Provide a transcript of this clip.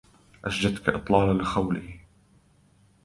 أشجتك أطلال لخوله